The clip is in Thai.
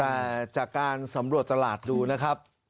แต่จากการสำรวจตลาดดูนะครับ